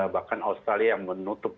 bahkan australia yang menutup